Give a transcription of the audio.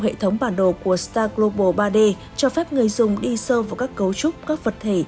hệ thống bản đồ của star global ba d cho phép người dùng đi sâu vào các cấu trúc các vật thể